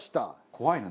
怖いな。